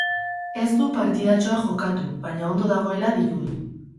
Ez du partidatxoa jokatu baina ondo dagoela dirudi.